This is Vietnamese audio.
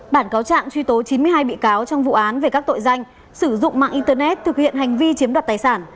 bản cáo trạng truy tố chín mươi hai bị cáo trong vụ án về các tội danh sử dụng mạng internet thực hiện hành vi chiếm đoạt tài sản